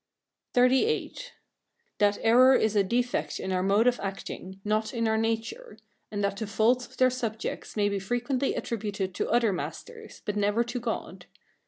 XXXVIII. That error is a defect in our mode of acting, not in our nature; and that the faults of their subjects may be frequently attributed to other masters, but never to God.